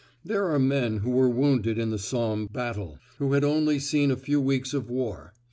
There are men who were wounded in the Somme battle, who had only seen a few weeks of war.